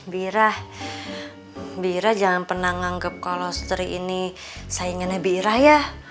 bira bira jangan pernah nganggep kalau seteri ini saingannya bira ya